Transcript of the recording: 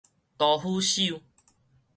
刀斧手